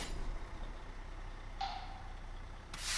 汉族称之为茶山瑶。